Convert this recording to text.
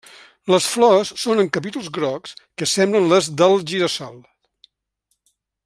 Les flors són en capítols grocs que semblen les del gira-sol.